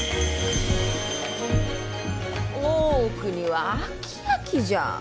大奥には飽き飽きじゃあ。